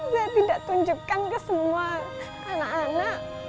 saya tidak tunjukkan ke semua anak anak